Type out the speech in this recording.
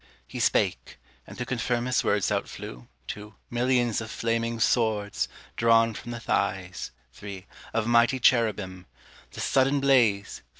He spake: and to confirm his words out flew 2. Millions of flaming swords, drawn from the thighs 3. Of mighty cherubim: the sudden blaze 4.